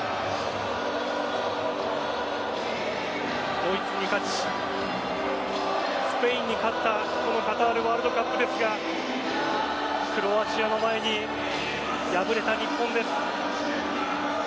ドイツに勝ち、スペインに勝ったカタールワールドカップですがクロアチアの前に敗れた日本です。